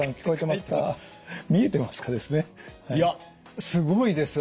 いやすごいです。